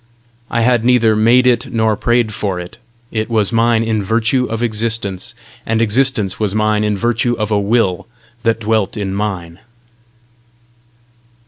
I had neither made it nor prayed for it: it was mine in virtue of existence! and existence was mine in virtue of a Will that dwelt in mine.